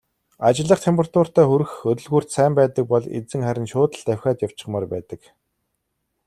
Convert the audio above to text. Ажиллах температуртаа хүрэх хөдөлгүүрт сайн байдаг бол эзэн харин шууд л давхиад явчихмаар байдаг.